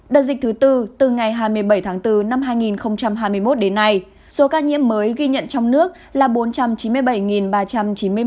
đợt dịch thứ tư từ ngày hai mươi bảy tháng bốn năm hai nghìn hai mươi một đến nay số ca nhiễm mới ghi nhận trong nước là bốn trăm chín mươi bảy ba trăm chín mươi một ca